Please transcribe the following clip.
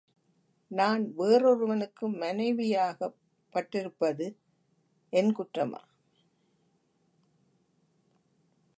நான் வேறொருவனுக்கு மனேவியாக்கப் பட்டிருப்பது என் குற்றமா?